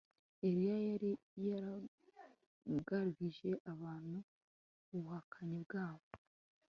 Eliya yari yagaragarije abantu ubuhakanyi bwabo